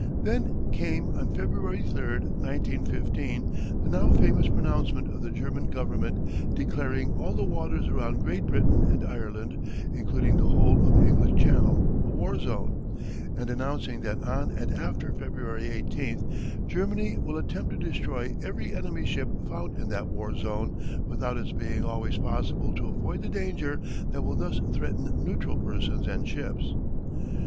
Then came on February 3, 1915, the now famous pronouncement of the German Government declaring "all the waters around Great Britain and Ireland, including the whole of the English Channel, a war zone," and announcing that on and after Feb. 18th, Germany "will attempt to destroy every enemy ship found in that war zone, without its being always possible to avoid the danger that will thus threaten neutral persons and ships."